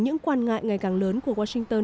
những quan ngại ngày càng lớn của washington